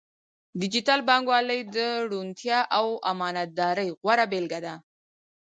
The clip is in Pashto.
ډیجیټل بانکوالي د روڼتیا او امانتدارۍ غوره بیلګه ده.